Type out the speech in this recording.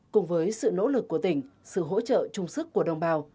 cùng với sự nỗ lực của tỉnh sự hỗ trợ trung sức của đồng bào